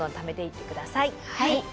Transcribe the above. はい。